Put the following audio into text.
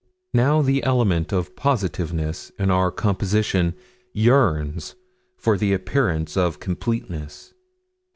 Now the element of positiveness in our composition yearns for the appearance of completeness.